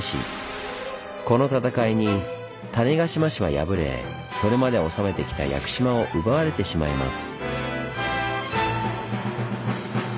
この戦いに種子島氏は敗れそれまで治めてきた屋久島を奪われてしまいます。